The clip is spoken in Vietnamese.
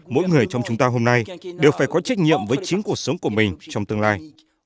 mỗi người trong chúng ta hôm nay đều phải có trách nhiệm với chính cuộc sống của mình trong tương lai